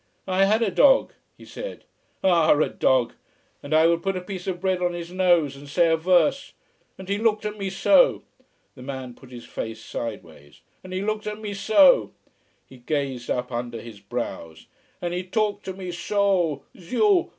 "I had a dog," he said, "ah, a dog! And I would put a piece of bread on his nose, and say a verse. And he looked at me so!" The man put his face sideways. "And he looked at me so!" He gazed up under his brows. "And he talked to me so o: Zieu!